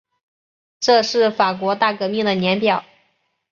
这是法国大革命的年表